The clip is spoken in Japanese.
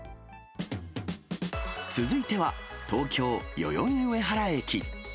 続いては、東京・代々木上原駅。